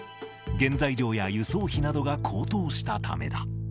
原材料や輸送費などが高騰したためだ。